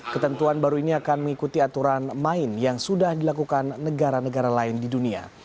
ketentuan baru ini akan mengikuti aturan main yang sudah dilakukan negara negara lain di dunia